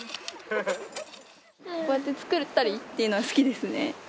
こうやって作ったりっていうのは好きですね。